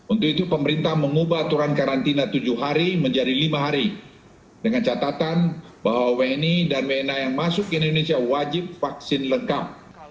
untuk itu pemerintah mengubah aturan karantina tujuh hari menjadi lima hari dengan catatan bahwa wni dan wna yang masuk ke indonesia wajib vaksin lengkap